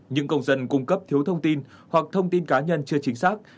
những công dân cung cấp thiếu thông tin hoặc thông tin cá nhân chưa chính xác